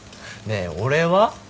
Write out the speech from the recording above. ねえ俺は？